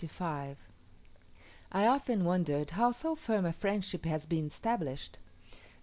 I often wondered how so firm a friendship had been established.